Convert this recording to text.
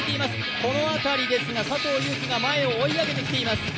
この辺りですが佐藤悠基が前を追い上げてきています。